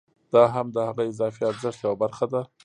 دا هم د هغه اضافي ارزښت یوه برخه ده